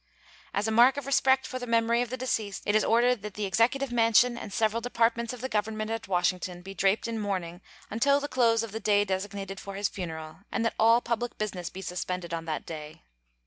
As a mark of respect for the memory of the deceased, it is ordered that the Executive Mansion and several Departments of the Government at Washington be draped in mourning until the close of the day designated for his funeral, and that all public business be suspended on that day.